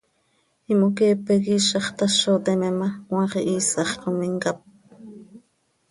Imoqueepe quih iizax tazo teme ma, cmaax ihiisax com imcáp.